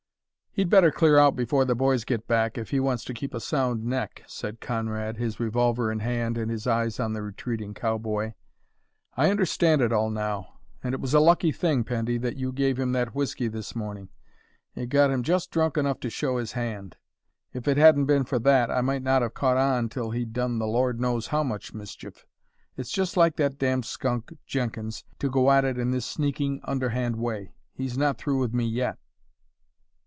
"He'd better clear out before the boys get back, if he wants to keep a sound neck," said Conrad, his revolver in hand and his eyes on the retreating cowboy. "I understand it all now. And it was a lucky thing, Pendy, that you gave him that whiskey this morning; it got him just drunk enough to show his hand. If it hadn't been for that I might not have caught on till he'd done the Lord knows how much mischief. It's just like that damned skunk, Jenkins, to go at it in this sneaking, underhand way. He's not through with me yet!"